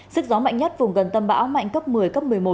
sức gió mạnh nhất vùng gần tâm bão mạnh cấp một mươi cấp một mươi một